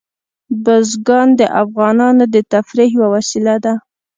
بزګان د افغانانو د تفریح یوه وسیله ده.